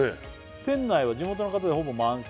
「店内は地元の方でほぼ満席」